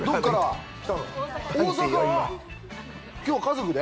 今日家族で？